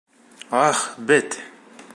Ах, бет!